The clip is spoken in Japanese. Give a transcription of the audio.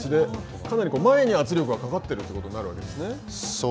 かなり前に圧力がかかっているということになるわけですね。